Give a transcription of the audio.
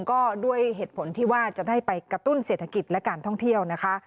ก็ด้วยเหตุผลที่ว่าจะได้ไปกระตุ้นเศรษฐกิจและการท่องเที่ยวนะคะ